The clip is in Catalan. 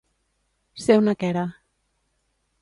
Ser una quera.